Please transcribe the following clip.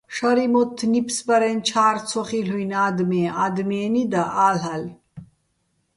შარიჼ მოთთ ნიფსბარეჼ ჩა́რ ცო ხილ'უჲნი̆ ა́დმეჼ ადმიენი́ და, ა́ლ'ალე̆!